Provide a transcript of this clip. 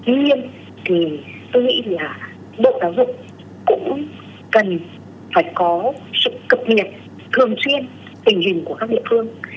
tuy nhiên thì tôi nghĩ là bộ giáo dục cũng cần phải có sự cập nhật thường xuyên tình hình của các địa phương